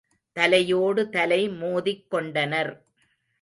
தலையோடு தலை மோதிக் கொண்டனர்.